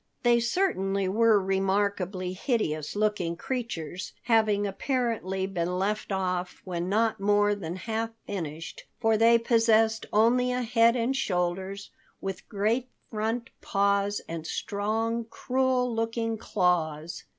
They certainly were remarkably hideous looking creatures, having apparently been left off when not more than half finished, for they possessed only a head and shoulders, with great front paws and strong, cruel looking claws.